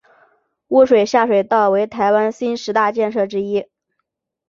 污水下水道为台湾新十大建设之一。